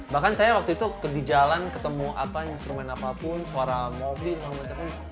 bahkan saya waktu itu di jalan ketemu apa instrumen apapun suara ngopi segala macam